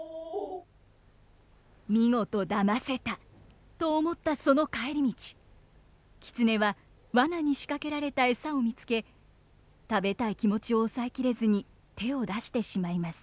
「見事だませた！」と思ったその帰り道狐はワナに仕掛けられたエサを見つけ食べたい気持ちを抑え切れずに手を出してしまいます。